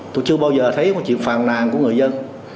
tôi chưa bao giờ thấy một chuyện phàn nàn của người dân